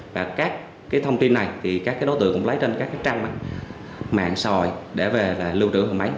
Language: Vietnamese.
và các thông tin này thì các đối tượng cũng lấy trên các trang mạng xòi để lưu trữ hình máy